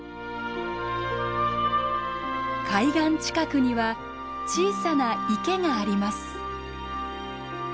海岸近くには小さな池があります。